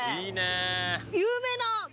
有名な。